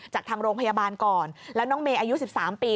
จากทางโรงพยาบาลก่อนแล้วน้องเมย์อายุ๑๓ปี